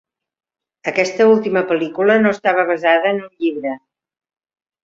Aquesta última pel·lícula no estava basada en un llibre.